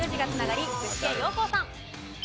具志堅用高さん。